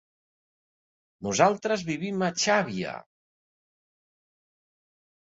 Nosaltres vivim a Xàbia.